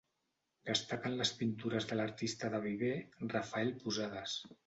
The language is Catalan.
Destaquen les pintures de l'artista de Viver, Rafael Posades.